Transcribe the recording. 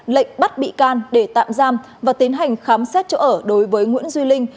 lệnh bắt bị can để tạm giam và tiến hành khám xét chỗ ở đối với nguyễn duy linh